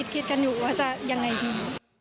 คิดกันอยู่ว่าจะยังไงดี